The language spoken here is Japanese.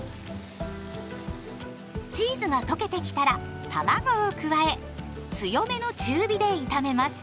チーズが溶けてきたらたまごを加え強めの中火で炒めます。